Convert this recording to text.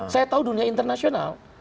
saya tahu dunia internasional